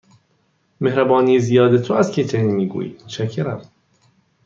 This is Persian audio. مهربانی زیاد تو است که چنین می گویی، متشکرم.